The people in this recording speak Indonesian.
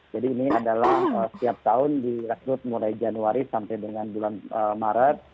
jadi ini adalah setiap tahun di recruit mulai januari sampai dengan bulan maret